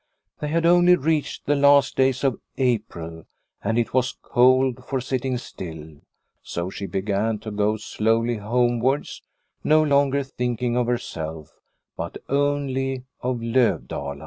They had only reached the last days of April, and it was cold for sitting still, so she began to go slowly 2o8 Liliecrona's Home homewards, no longer thinking of herself, but only of Lovdala.